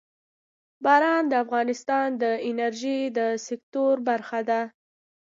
باران د افغانستان د انرژۍ د سکتور برخه ده.